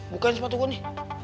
bukain sepatu gue nih